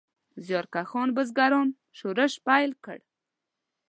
زیارکښو بزګرانو شورش پیل کړ.